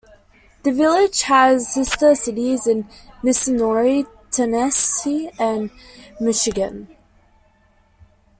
The village has "sister cities" in Missouri, Tennessee, and Michigan.